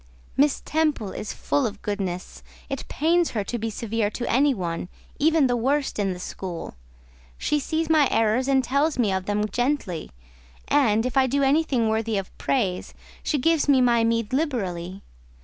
"Miss Temple is full of goodness; it pains her to be severe to any one, even the worst in the school: she sees my errors, and tells me of them gently; and, if I do anything worthy of praise, she gives me my meed liberally.